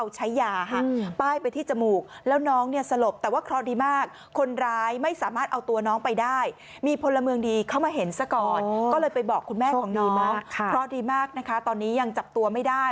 โชคดีมากค่ะพอดีมากนะคะตอนนี้ยังจับตัวไม่ได้